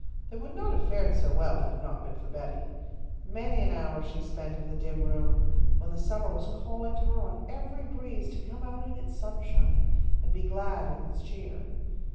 They would not have fared so well had it not been for Betty. Many an hour she spent in the dim room, when the summer was calling to her on every breeze to come out in its sunshine and be glad in its cheer.